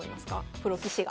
プロ棋士が。